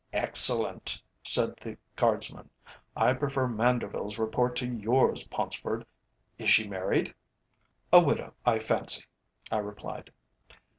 "Excellent!" said the Guardsman. "I prefer Manderville's report to yours, Paunceford. Is she married?" "A widow, I fancy," I replied.